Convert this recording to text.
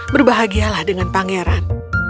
berbahagialah dengan pangeran